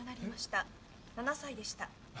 ７歳でした。